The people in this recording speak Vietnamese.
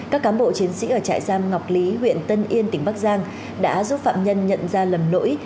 các cán bộ chiến sĩ ở trại giam ngọc lý huyện tân yên tỉnh bắc giang đã giúp phạm nhân nhận ra lầm lỗi